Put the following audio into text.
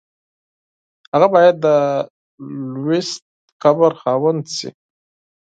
هغه باید د لویشت قبر خاوند شي.